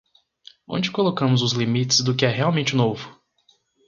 Onde colocamos os limites do que é realmente novo?